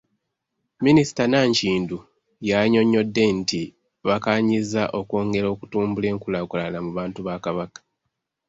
Minisita Nankindu yannyonyodde nti bakkaanyizza okwongera okutumbula enkulaakulana mu bantu ba Kabaka.